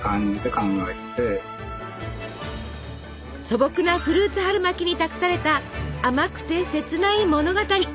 素朴なフルーツ春巻きに託された甘くて切ない物語。